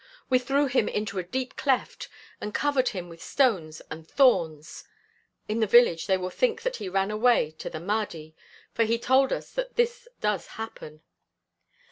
We threw him into a deep cleft and covered him with stones and thorns. In the village they will think that he ran away to the Mahdi, for he told us that this does happen."